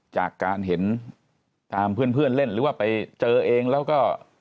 จากการเห็นตามเพื่อนเล่นหรือว่าไปเจอเองแล้วก็